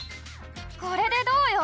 これでどうよ！